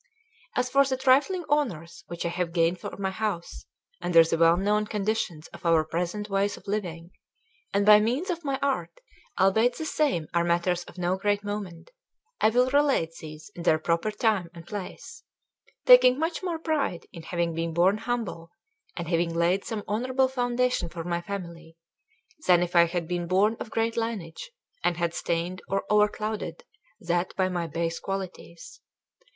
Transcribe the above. As for the trifling honours which I have gained for my house, under the well known conditions of our present ways of living, and by means of my art, albeit the same are matters of no great moment, I will relate these in their proper time and place, taking much more pride in having been born humble and having laid some honourable foundation for my family, than if I had been born of great lineage and had stained or overclouded that by my base qualities.